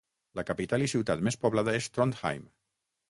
La capital i ciutat més poblada és Trondheim.